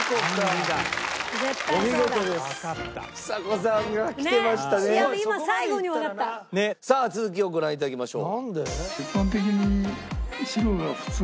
さあ続きをご覧頂きましょう。